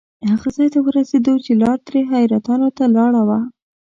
هغه ځای ته ورسېدو چې لار ترې حیرتانو ته لاړه وه.